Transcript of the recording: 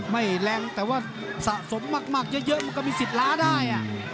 ไม่แรงแต่ว่าสะสมมากเยอะมันก็มีสิทธิ์ล้าได้